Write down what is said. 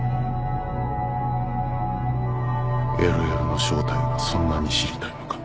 ＬＬの正体がそんなに知りたいのか。